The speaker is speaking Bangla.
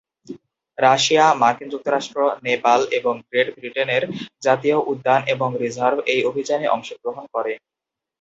রাশিয়া, মার্কিন যুক্তরাষ্ট্র, নেপাল এবং গ্রেট ব্রিটেনের জাতীয় উদ্যান এবং রিজার্ভ এই অভিযানে অংশ গ্রহণ করে।